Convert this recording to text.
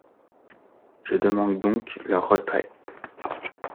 Je demande donc leur retrait.